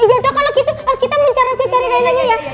yaudah kalau gitu kita mencari cari reina nya ya